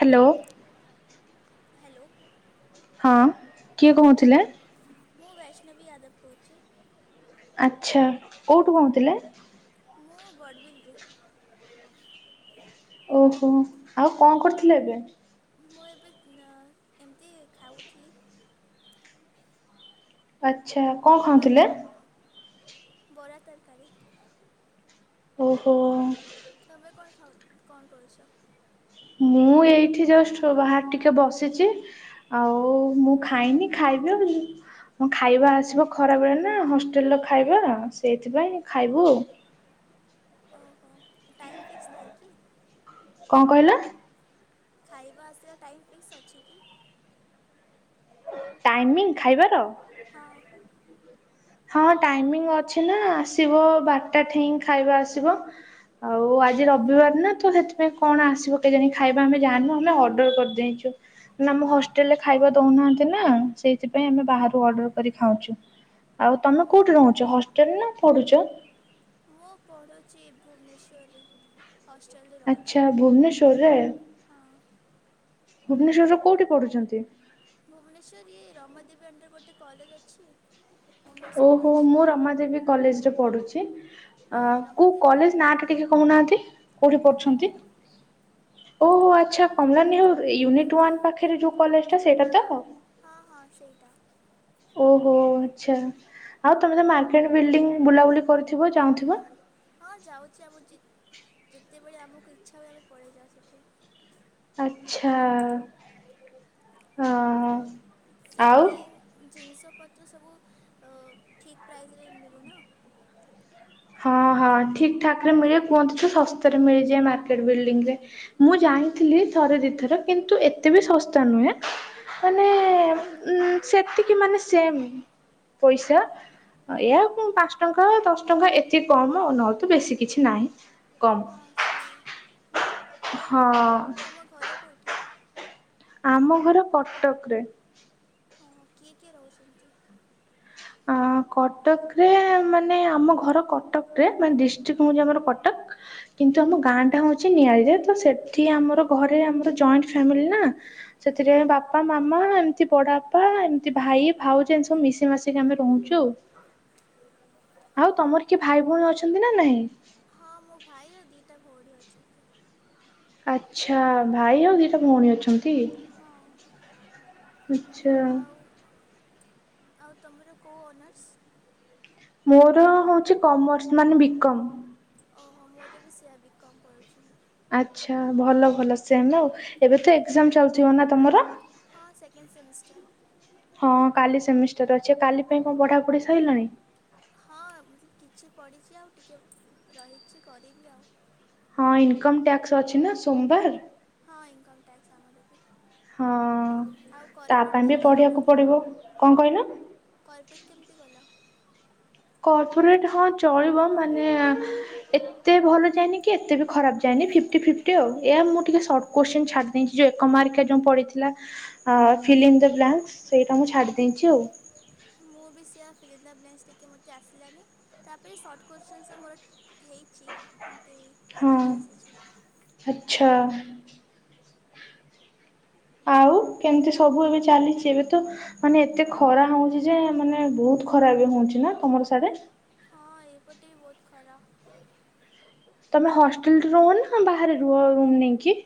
Hello. ହଁ କିଏ କହୁଥିଲେ? ମୁଁ ବୈଷ୍ଣବୀ ଆଦପ କହୁଛି। ଆଚ୍ଛା, କୋଉଠୁ କହୁଥିଲେ? ମୁଁ ବଡ଼ବିଲରୁୁ ଓହୋ, ଆଉ କଣ କରଥିଲେ ଏବେ? ମୁଁ ଏବେ ଦିନ ଏମିତି ଖାଉଥିଲି। ଆଛା, କଣ ଖାଉଥିଲେ? ବରା, ତରକାରୀ। ଓହୋ କଣ ଖାଉ, କଣ କରୁଛ? ମୁଁ ଏଇଠି ଜଷ୍ଟ ବାହାରେ ଟିକେ ବସିଛି। ଆଉ ମୁଁ ଖାଇନି, ଖାଇବି। ହ [unintelligible] ଆଉ ଖାଇବା ଆସିବ ଖରା ବେଳେ ନା ହଷ୍ଟେଲ ର ଖାଇବା, ସେଇଥିପାଇଁ ଖାଇବୁ ଆ ଟାଇମ ଫିକ୍ସ ଥାଏ କି? କଣ କହିଲ? ଖାଇବା ଆସିବା ଟାଇମ ଫିକସ ଅଛି କି? ଟାଇମିଂ ଖାଇବାର? ହଁ ଟାଇମିଂ ଅଛି ନା ଆସିବ ବାରଟା ଠେଇ ଖାଇବା ଆସିବ ଆଉ ଆଜି ରବିବାର ନା ତ ସେଥିପାଇଁ କଣ ଆସିବ କେଜାଣି ଖାଇବା ଆମେ ଯାଣିନୁ ଆମେ ଅର୍ଡର କରିଦେଇଛୁ। ନାଁ ଆମ ହଷ୍ଟେଲରେ ଖାଇବା ଦଉନାହାନ୍ତି ନା ସେଇଥିପାଇଁ ଆମେ ବାହାରୁ ଅର୍ଡର କରି ଖାଉଛୁ। ଆଉ ତମେ କୋଉଠି ରହୁଛ ହଷ୍ଟେଲ ନା ପଢୁଛ? ମୁଁ ପଢ଼ୁଛି ଭୁବନେଶ୍ୱରରେ। ଆଚ୍ଛା ଭୁବନେଶ୍ଵରରେ। ଭୁବନେଶ୍ଵର ର କୋଉଠି ପଢୁଛନ୍ତି? ଭୁବନେଶ୍ଵରେ ରମାଦେବୀ ଅଣ୍ଡର ଗୋଟେ କଲେଜ ଅଛି ଓହୋ ମୁଁ ରମା ଦେବୀ କଲେଜରେ ପଢୁଛି। ଅ କୋଉ କଲେଜ ନା ଟା ଟିକେ କହୁନାହାନ୍ତି କୋଉଠି ପଢୁଛନ୍ତି? ଓହୋ ଆଚ୍ଛା କମଲାନୀ ହଉ ୟୁନିଟ୍ ୱାନ୍ ପାଖରେ ଯୋଉ କଲେଜ ଟା ସେଇଟା ତ? ହଁ ହଁ ସେଇଟା। ଓହୋ ଆଛା। ଆଉ ତମେ ତ ମାର୍କେଟ ବିଲ୍ଡି ବୁଲାବୁଲି କରିଥିବ ଚାହୁଁଥିବ। ହଁ ଯାଉଛି ଆମ ଯେ ଯେତେବେଳେ ଆମକୁ ଇଚ୍ଛା ହୁଏ ଆମେ ପଳେଇ ଯାଉ ସେଠି। ଆଚ୍ଛା ହଁ। ସେଠି ଜିନିଷ ପତ୍ର ସବୁ ଠିକ୍ ପ୍ରାଇସ୍ ରେ ମିଳୁନା। ହଁ ହଁ ଠିକ ଠାକ ରେ ମିଳଯିବ କୁହନ୍ତି ଶସ୍ତା ରେ ମିଳିଯିବ ଏ ମାର୍କେଟ ବିଲଡିଂ ରେ ମୁଁ ଯା ଥିଲ ଥରେ ଦିଥର କିନ୍ତୁ ଏତେ ବି ଶସ୍ତା ନୁହେଁ ମାନେ ଉଁ ଏତିକି ମାନେ ସେମ ପଇସା ଏ ପାଞ୍ଚ ଟଙ୍କା ଦଶ ଟଙ୍କା ଏ ଏତେ କମ ନହ ତ ବେଶୀ କିଛି ନାହିଁ କମ। [inaudible] ହଁ। ଆମ ଘର କଟକରେ। ଓଁ କିଏ କିଏ ରହୁଛନ୍ତି? ଅ କଟକରେ ମାନେ ଆମ ଘର କଟକରେ ମାନ ଡିଷ୍ଟ୍ରିକଟ ହଉଛି ଆମର କଟକ କି କିନ୍ତୁ ଆମ ଗାଁଟା ହଉଛି ନିଆଳିରେ ତ ସେଠି ଆମର ଘରେ ଆମର ଜଏଣ୍ଟ ଫ୍ୟାମିଲି ନା ସେ ବାପା ମାମା ଏମିତି ବଡ ବାପା ଏମିତି ଭାଇ ଭାଉଜ ଏମିତି ସବୁ ମିଶି ମାସ ଆମେ ରହୁଛୁ ଆଉ। ଆଉ ତମର କିଏ ଭାଇ ଭଉଣୀ ଅଛନ୍ତି ନା ନାଇଁ? ହଁ ମୋ ଭାଇ ଆଉ ଦିଟା ଭଉଣୀ ଅଛନ୍ତି। ଆଚ୍ଛା ଭାଇ ଆଉ ଦିଟା ଭଉଣୀ ଅଛନ୍ତି। ଆଛା। ଆଉ ତମର କୋଉ ଅନର୍ସ? ମୋର ହଉଛି କମର୍ସ ମାନେ ବିକମ। ଓହୋ ମୋର ବି ସେଇଆ ବିକମ୍ କରୁଛି। ଆଛା ଭଲ ଭଲ ସେ ଆଉ ଏବେ ତ ଏକଜାମ୍ ଚାଲଥିବ ନା ତମର? ହଁ ସେକେଣ୍ଡ ସେମିଷ୍ଟର। ହଁ କାଲି ସେମିଷ୍ଟର ଅଛି କାଲି ପାଇଁ କଣ ପଢାପଢି ସରିଲାଣି? ମୁଁ କିଛି ପଡ଼ିଛି ଆଉ ଟିକିଏ ରହିଛି କରିବି ଆଉ। ହଁ ଇନକମ ଟ୍ୟାକ୍ସ ଅଛି ନା ସୋମବାର। ହଁ ଇନ୍କମ୍ ଟ୍ୟାକ୍ସ ଆମ ହଁ ତା ପାଇଁ ବି ପଢିବାକୁ ପଡିବ କଣ କହିଲ? କର୍ପୋରେଟ୍ କେମିତି ଗଲା? କର୍ପୋରେଟ ହଁ ଚଳିବ ମାନେ ଏତେ ଭଲ ଯାଏନି କି ଏତେ ବି ଖରାପ ଯାଏନି ଫିଫ୍ଟୀ ଫିଫ୍ଟି ଆଉ ଏୟା ମୁଁ ଟିକେ ଶର୍ଟ କୁଶ୍ଚିନ ଛାଡ଼ିଦେଇଚି ଯେ ଏକ ମାର୍କିଆ ଯୋଉ ପଡ଼ିଥିଲା ଫିଲ ଇନ୍ ଦ ବ୍ଲାଙ୍କ୍ସ ସେଇଟା ମୁଁ ଛାଡ଼ିଦେଇଚି। ମୁଁ ବି ସେଇୟା ଫିଲ ଇନ୍ ଦ ବ୍ଲାଙ୍କ୍ସ ଟିକେ ମୋତେ ଆସିଲାନି, ତାପରେ ସର୍ଟ କ୍ୱଶ୍ଚନ୍ସ ତ ମୋର ହେଇଛି। ହଁ ଆଚ୍ଛା। ଆଉ କେମିତି ସବୁ ଏବେ ଚାଲିଛି ଏବେ ତ ମାନେ ଏତେ ଖରା ହଉଛି ଯେ ମାନେ ବହୁତ ଖରା ଏବେ ହଉନ ନା ତମର ସାଡେ ଏଇପଟେ ବହୁତ ଖରାପ। [unintelligible] ତମେ ହଷ୍ଟେଲରେ ରୁହ ନା ବାହାରେ ରୁହ ରୁମ ନେଇକି?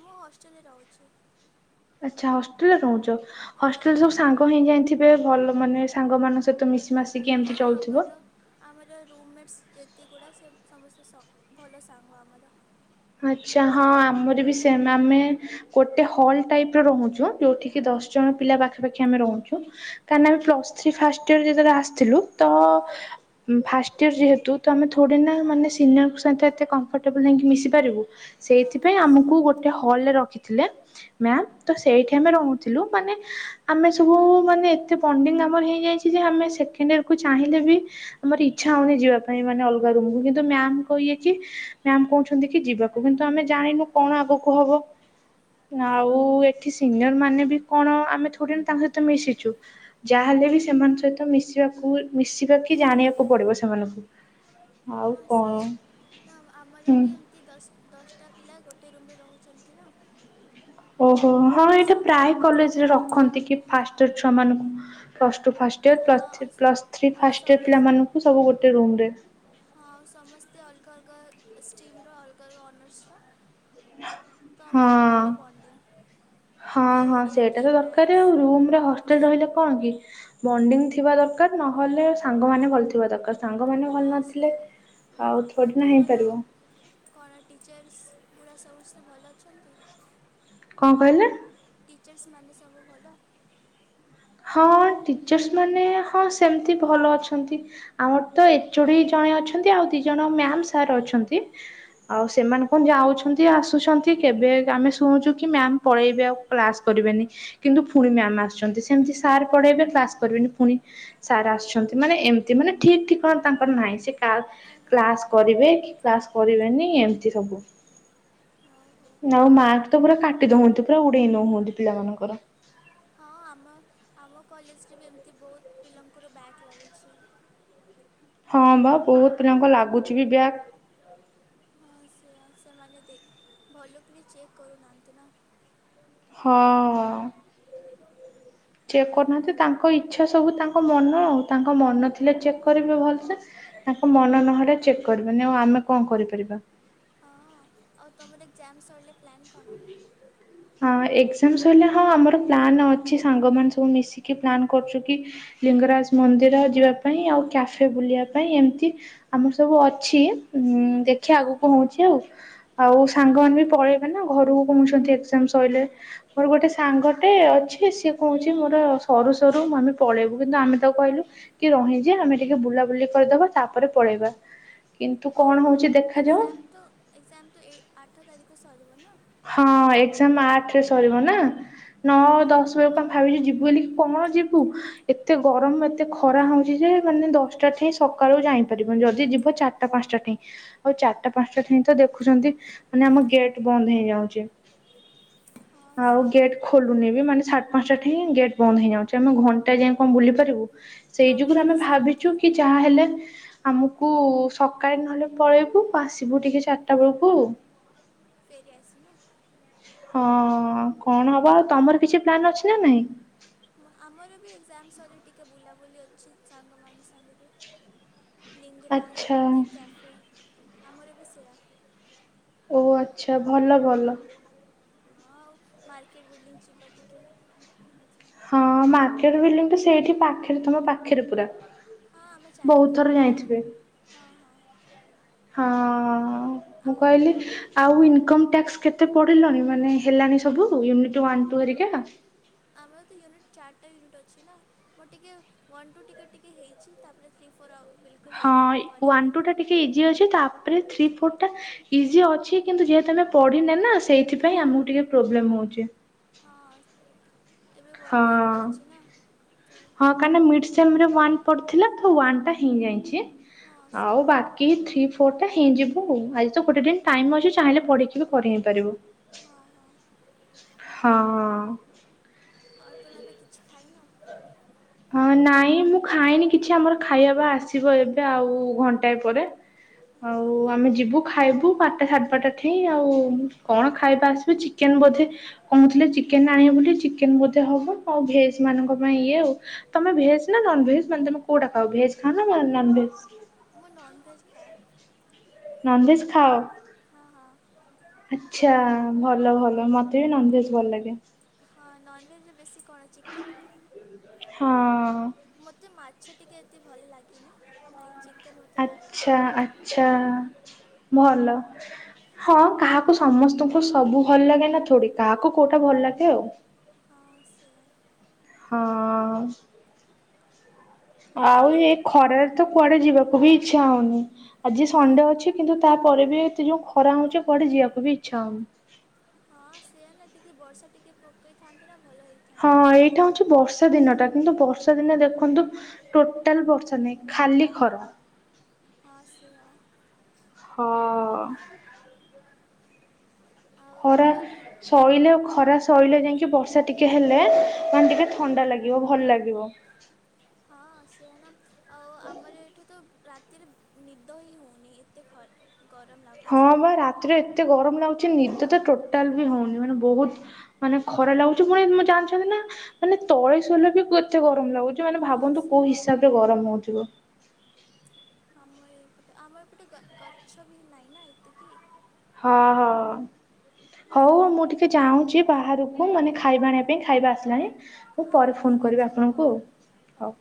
ମୁଁ ହଷ୍ଟେଲରେ ରହୁଛି। ଆଚ୍ଛା ହଷ୍ଟେଲରେ ରହୁଛ ହଷ୍ଟେଲରେ ସବୁ ସାଙ୍ଗ ହେିଁ ଥିବେ ଭଲ ମାନେ ସାଙ୍ଗମାନଙ୍କ ସହିତ ମିଶି ମାସ ହଁ ଆମର ଆମର ରୁମ୍ମେଟସ୍ ଯେ ଏଗୁଡ଼ା ସେ ସମସ୍ତେ ଭଲ ସାଙ୍ଗ ଆମର। ଆଛା ହଁ ଆମର ବି ସେ ଆମେ ଗୋଟେ ହଲ ଟାଇପି ର ରହୁଛୁ ଯୋଉଠି କି ଦଶ ଜଣ ପିଲା ପାଖାପାଖି ଆମେ ରହୁଛୁ କାହିଁକନା ଆମେ ପ୍ଲସ୍ ଥ୍ରୀ ଫାଷ୍ଟ୍ ଇୟର୍ ଯେତେବେଳେ ଆସିଥିଲୁ ତ ଫାଷ୍ଟ ଇୟର ଯେହେତୁ ତ ଆମେ ଥୋଡୀ ନା ମାନେ ସିନିୟର ତ ସଙ୍ଗେ କମ୍ପଟେବୁଲ ହେଇ ମିଶିବୁ। ପାରିବୁ ସେଇଥି ପାଇଁ ଆମକୁ ଗୋଟେ ହଲରେ ରଖିଥିଲେ ମ୍ୟାମ୍ ତ ସେଇଠି ଆମେ ରହୁଥିଲୁ। ରୁମାନେ ଆମେ ସବୁ ମାନେ ଏତେ ବଣ୍ଡିଙ୍ଗ ଆମ ହେଇଯାଇଛି ଯେ ଆମେ ସେକେଣ୍ଡଇୟେର କୁ ଚାହିଁଲେ ବି ଆମର ଇଛା ହଉନି ଯିବା ପାଇଁ ମାନେ ଅଲଗା ରୁମ କୁ କିନ୍ତୁ ମ୍ୟାମ୍ କହିଯାଇଚି ମ୍ୟାମ୍ କହୁଛନ୍ତି। ସେଠିକି ଯିବାକୁ କିନ୍ତୁ ଆମେ ଜାଣିନୁ କଣ ଆଗକୁ ହବ। ଆଉ ଏଠି ସିନିୟର ମାନେ ବି କଣ ଆମେ ଥୋଡି ତାଙ୍କ ସହିତ ମିଶିଛୁ ଯାହା ମେ ବି ସେମାନଙ୍କ ସହିତ ମିଶିବାକୁ ମିଶିବା କି ଜାଣିବାକୁ ପଡିବ ସେମାନଙ୍କୁ ଆଉ କଣ ହୁଁ ଦଶଟା ପିଲା ଗୋଟେ ରୁମରେ ରହୁଛନ୍ତି ନା ଓହୋ ହଁ ଏଇଟା ପ୍ରାୟେ କଲେଜରେ ରଖନ୍ତି। ଫାଷ୍ଟ୍ର ଛୁଆ ମାନଙ୍କୁ plus two first plus three first year ପିଲାମାନଙ୍କୁ ସବୁ ଗୋଟେ ରୁମ୍ ରେ ଆଉ ସମସ୍ତେ ଅଲଗା ସ୍ଷିମ୍ ର ଅଲଗା ଅଲଗା ଅର୍ନର୍ସ ର ତ ଆମର ଭଲ ବଣ୍ଡିଙ୍ଗ୍ ହଁ ହଁ ସେଇଟା ତ ଦରକାର ଆଉ ରୁମରେ ହଷ୍ଟେଲ ରହିଲେ କଣ କି ବଣ୍ଡିଙ୍ଗ ଥିବା ଦରକାର ନହେଲେ ସାଙ୍ଗମାନେ ଭଲ ଥିବା ଦରକାର। ସାଙ୍ଗ ମାନେ ଭଲ ନଥିଲେ ଆଉ ଥୋଡୀ ନା ହେଇପାରିବ। ପୁରା ସମସ୍ତେ ଭଲ ଅଛନ୍ତି। କଣ କହିଲେ? ଟିଚର୍ସ ମାନେ ସବୁ ଭଲ। ହଁ ଟିଚର୍ସ ମାନେ ହଁ ସେମିତି ଭଲ ଅଛନ୍ତି, ଆମର ତ ଏଚୋଡି ଜଣେ ଆମେ ଅଛନ୍ତି ଆଉ ଦି ଜଣ ମ୍ୟାମ୍ ସାର୍ ଅଛନ୍ତି। ଆଉ ସେମାନେ କଣ ଯାଉଛନ୍ତି ଆସୁଛନ୍ତି କେବେ ଆମେ ଶୁଣୁଛୁ କି ମ୍ୟାମ୍ ପଳେଇବେ ଆଉ କ୍ଲାସ୍ କରିବେନି। [unintelligible] କିନ୍ତୁ ପୁଣି ମାମ୍ ଆସୁଛନ୍ତି ସ ସେମିତି ସାର୍ ପଢେଇବେ କ୍ଲାସ କରିବେନି ପୁଣି ସାର୍ ଆସୁଛନ୍ତି ମାନେ ଏମିତି ମାନେ ଠିକି ଠିକଣା ତାଙ୍କର ନାହିଁ। ସେ କ୍ଲାସ କରିବେ କି କ୍ଲାସ କରିବେନି ଏମିତି ସବୁ ଆଉ ମାର୍କ ତ ପୁରା କାଟି ଦଉଚନ୍ତି, ପୁରା ଉଡେଇ ନଉଛନ୍ତି ପିଲା ମାନଙ୍କର ହଁ ଆମ ଆମ କଲେଜରେ ବି ଏମିତି ବହୁତ ପିଲାଙ୍କର ବ୍ୟାକ୍ ଲାଗିଛି। ହଁ ବା ବହୁତ ପିଲାଙ୍କ ଲାଗୁଛି ବି ବ୍ୟାକ୍ ସେମାନେ ଦେଖ୍ ଭଲକି ଚେକ୍ କରୁନାହାନ୍ତି ନା। ହଁ। ଚେକ୍ କରୁନାହାନ୍ତି ତାଙ୍କ ଇଚ୍ଛା ସବୁ ତାଙ୍କ ମନ ଆଉ ତାଙ୍କ ମନ ଥିଲେ ଚେକ୍ କରିବେ ଭଲସେ ତାଙ୍କ ମନ ନହେଲେ ଚେକ୍ କରିବନି ଆଉ ଆମେ କଣ କରିପାରିବା। ଅଟୋମେଟିକ୍ [unintelligible] ଜାମ୍ ସରିଲେ [inaudible] ହଁ ଏକ୍ଜାମ ସଇଲେ ହଁ ଆମର ପ୍ଲାନ୍ ଅଛି ସାଙ୍ଗମାନେ ସବୁ ମିଶିକି ପ୍ଲାନ୍ କରୁଚୁ କି ଲିଙ୍ଗରାଜ ମନ୍ଦିର ଯିବା ପାଇଁ, ଆଉ କ୍ୟାଫେ ବୁଲିବା ପାଇଁ ଏମିତି ଆମର ସବୁ ଅଛି ଉଁ ଦେଖିଆ ଆଗକୁ କଣ ହଉଛି ଆଉ। ଆଉ ସାଙ୍ଗମାନେ ବି ପଳେଇ ମାନେ ଘରକୁ କହୁଛନ୍ତି ଏକ୍ଜାମ ସଇଲେ। ମୋର ଗୋଟେ ସାଙ୍ଗଟେ ଅଛି ସିଏ କହୁଛି ମୋର ସରୁ ସରୁ ଆମେ ପଳେଇବୁ। କିନ୍ତୁ ଆମେ ତାକୁ କହିଲୁ କି ରହିଁଯା ଆମେ ଟିକେ ବୁଲାବୁଲି କରିଦବା, ତାପରେ ପ ପଳେଇବା କିନ୍ତୁ କଣ ହଉ ଏକଜାମ ତ ଏକଜାମ ତ ଏଇ ଆଠ ତାରିଖ ହଁ ଏକଜାମ ଆଠରେ ସରିବ ନା ନଅ ଦଶ ବେଳକୁ ଆମେ ଭାବିଲୁ ଯିବୁ ବୋଲି, କଣ ଯିବୁ ଏତେ ଗରମ ଏତେ ଖରା ହଁଉଛି ଯେ ଏ ମାନେ ଦଶଟା ଠେଇଁ ସକାଳୁ ଯାଇଁପାରିବନି, ଯଦି ଯିବ ଚାରିଟା ପାଞ୍ଚଟାଠେଇଁ। ଆଉ ଚାରିଟା ପାଞ୍ଚଟାଠେଇଁ ତ ଦେଖୁଛନ୍ତି ମାନେ ଆମ ଗେଟ ବନ୍ଦ ହେଇ ଯାଉଚି। ଆଉ ଗେଟ୍ ଖୋଲୁନି ବି ମାନେ ସାଢେ ପାଞ୍ଚଟା ଠେଇଁ ହିଁ ଗେଟ ବନ୍ଦ ହେଇଁଯାଉଛି। ଆମେ ଘଣ୍ଟାଏ ଯାଏ କଣ ବୁଲି ପାରିବୁ? ସେଇ ଯୁଗୁରୁ ଆମେ ଭାବିଛୁ କି ଯାହା ହେଲେ ଆମକୁ ସକାଳେ ନହେଲେ ପଳେଇବୁ, ଆସିବୁ ଟିକେ ଚାରିଟା ବେଳକୁ ଆଉ। ଫେରି ଆସ। ହଁ କଣ ହବ ଆଉ ତମର କିଛି ପ୍ଲାନ୍ ଅଛି ନା ନାଇଁ? ଆମର ବି ଏକ୍ଜାମସ ସରିଲେ ଟିକେ ବୁଲାବୁଲି ଅଛି ସାଙ୍ଗମାନ ସାଙ୍ଗରେ। ଲିଙ୍ଗରାଜ ଏମତି କ୍ୟାଫେ ଆମର ଏ ବି ସେୟା। ଓ ଆଚ୍ଛା ଭଲ ଭଲ। ମାର୍କେଟ ବିଲ୍ଡିଂ ଯିବା ଟିକେ। ହଁ ମାର୍କେଟ ବିଲଡିଙ୍ଗ ତ ସେଇଠି ପାଖରେ ତମ ପାଖରେ ପୁରା। ହଁ ଆମେ ଚାଲିକି ପଳେଇଯାଉ ହଁ ହଁ। ହଁ ଅ ମୁଁ କହିଲି ଆଉ ଇନ୍ କମ୍ ଟ୍ୟାକ୍ସ କେତେ ପଢ଼ିଲଣି ମାନେ ହେଲାଣି ସବୁ, ୟୁନିଟ୍ ୱାନ ଟୁ ହେରିକା? ତତେ ୟୁନିଟ୍ ଚାରଟା ୟୁନିଟ୍ ଅଛି ନା। ମୁଁ ଟିକେ ୱାନ୍ ଟୁ ଟିକେ ଟିକେ ହେଇଛି ତାପରେ ଫିଫ୍ ହଁ ୱାନ୍ ଟୁ ଟା ଟିକେ ଇଜି ଅଛି ତାପରେ ଥ୍ରୀ ଫୋର ଟା ଇଜି ଅଛି କିନ୍ତୁ ଯେହେତୁ ଆମେ ପଢିନେ ନା, ସେଇଥିପାଇଁ ଆମକୁ ଟିକେ ପ୍ରୋବ୍ଲେମ ହଉଛି। [unintelligible] ହଁ ହଁ କାଇଁନା ମିଡସେମରେ ୱାନ ପଡ଼ିଥିଲା ତ ୱାନ୍ ଟା ହେଇଁଯାଇଚି। ଆଉ ବାକି ଥ୍ରି ଫୋର୍ ଫୋର୍ ଟା ହେଇଁଯିବୁ ଆଉ। ଆଜି ତ ଗୋଟେ ଦିନ ଟାଇମ୍ ଅଛି ଚାହିଁଲେ ପଢିକି ବି ପଢ଼େଇଁ ପାରିବୁ। ହଁ। ଆଉ ତୁମେ ବି କିଛି ଖାଇନ? [inaudible] ହଁ ନାଇଁ ମୁଁ ଖାଇନି କିଛି ଆମର ଖାଇବା ବା ଆସିବ ଏବେ ଆଉ ଘଣ୍ଟାଏ ପରେ। ଆଉ ଆମେ ଯିବୁ ଖାଇବୁ ବାରଟା ସାଢେ ବାରଟା ଠେଇଁ ଆଉ, କଣ ଖାଇବା ଆସିବୁ ଚିକେନ ବୋଧେ କହୁଁଥିଲେ ଚିକେନ ଆଣିବ ବୋଲି ଚିକେନ ବୋଧେ ହବ। ଆଉ ଭେଜ ମାନଙ୍କ ପାଇଁ ଇଏ ଆଉ। ତମେ ଭେଜ ନା ନନଭେଜ ମାନେ ତମେ କୋଉଟା ଖାଅ? ଭେଜ ଖାଅ ନା ନନଭେଜ। ମୁଁ ନନ୍ଭେଜ ଖାଏ। ନନଭେଜ୍ ଖାଅ? ଆଚ୍ଛା ଭଲ ଭଲ। ମତେ ବି ନନଭେଜ ଭଲ ଲାଗେ। ହଁ ନନଭେଜରେ ବେଶୀ କଣ ଚିକେନ୍? ହଁ। ମତେ ମାଛ ଟିକେ ଏତେ ଭଲ ଲାଗେନି, କାଇଁ ଚିକେ ଆଚ୍ଛା ଆଚ୍ଛା ଭଲ। ହଁ କାହାକୁ ସମସ୍ତଙ୍କୁ ସବୁ ଭଲ ଲାଗେ ନା ଥୋଡି, କାହାକୁ କୋଉଟା ଭଲ ଲାଗେ ଆଉ। ହଁ। ଆଉ ଏ ଖରାରେ ତ କୁଆଡେ ଯିବାକୁ ବି ଇଚ୍ଛା ହଉନି। ଆଜି ସଣ୍ଡେ ଅଛି କିନ୍ତୁ ତା ପରେ ବି ଏତେ ଯୋଉଁ ଖରା ହଉଁଚି କୁଆଡେ ଯିବାକୁ ବି ଇଚ୍ଛା ହଉନି। ଟିକେ ବର୍ଷା ଟିକେ ପକେଇଥାନ୍ତି ନା ଭଲ। ହଁ ଏଇଟା ହଉଛି ବର୍ଷା ଦିନ ଟା କିନ୍ତୁ ବର୍ଷା ଦିନ ଦେଖନ୍ତୁ ଟୋଟାଲ ବର୍ଷା ନାହିଁ। ଖାଲି ଖରା। ହଁ ସେୟା। ହଁ। ଖରା ସଇଲେ ଖରା ସଇଲେ ଯାଇକି ବର୍ଷା ଟିକେ ହେଲେ ମାନେ ଟିକେ ଥଣ୍ଡା ଲାଗିବ ଭଲ ଲାଗିବ। ହଁ ସେ ନା ଆଉ ଆମର ଏଇଠି ତ ରାତିରେ ନିଦ ହିଁ ହଉନି ଏତେ ଖରା। ହଁ ବା ରାତିରେ ଏତେ ଗରମ ଲାଗୁଛି। କିଛି ନିଦ ତ ଟୋଟାଲ ବି ହୋଉନି ମାନେ ବୋହୁତ ମାନେ ଖରା ଲାଗୁଚି ଫୁଣି ଜାଣିଚନ୍ତି ନା ମାନେ ତଳେ ଶୋଇଲେ ବି ଏତେ ଗରମ ଲାଗୁଚି। ମାନେ ଭାବନ୍ତୁ କୋଉ ହିସାବରେ ଗରମ ହୋଉଥିବ। ଆମର ଏପଟେ ଆମର ଏପଟେ ଗ-ଗଛ ବି ନାହିଁ ନା ଏତିକି। ହଁ ହଁ ହୋଉ ମୁଁ ଟିକେ ଚାହୁଁଚି ବାହାରକୁ ମାନେ ଖାଇବା ଆଣିବା ପାଇଁ ଖାଇବା ଆସିଲାଣି। ମୁଁ ପରେ ଫୋନ କରିବି ଆପଣଙ୍କୁ ହୋଉ।